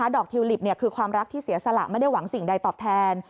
ดอกทิวลิปคือความรักที่เสียสละไม่ได้หวังสิ่งใดตอบแทน